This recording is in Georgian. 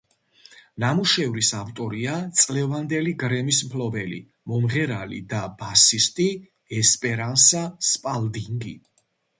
ნამუშევრის ავტორია, წლევანდელი გრემის მფლობელი, მომღერალი და ბასისტი ესპერანსა სპალდინგი.